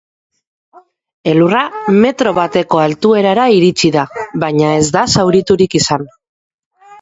Elurra metro bateko altuerara iritsi da, baina ez da zauriturik izan.